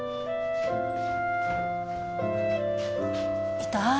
・いた？